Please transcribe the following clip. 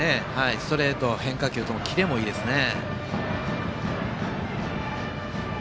ストレート、変化球ともにキレもいいですね。